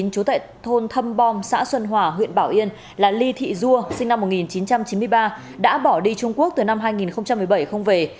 tại thôn thâm bom xã xuân hòa huyện bảo yên là ly thị dua sinh năm một nghìn chín trăm chín mươi ba đã bỏ đi trung quốc từ năm hai nghìn một mươi bảy không về